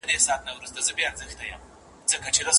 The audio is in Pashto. دا حالت پر کوم فرض او واجب دلالت کوي؟